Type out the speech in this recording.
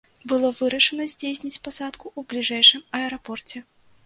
Было вырашана здзейсніць пасадку ў бліжэйшым аэрапорце.